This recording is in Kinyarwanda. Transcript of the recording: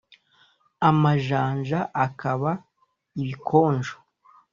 amajanja akaba ibikonjo.